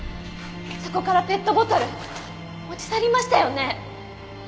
そこからペットボトル持ち去りましたよね？